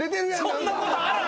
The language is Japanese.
そんなことある！？